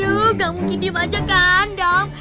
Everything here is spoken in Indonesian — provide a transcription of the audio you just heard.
aduh gak mungkin dia wajah kan dam